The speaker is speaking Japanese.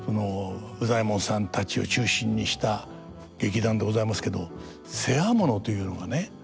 羽左衛門さんたちを中心にした劇団でございますけど世話物というのがね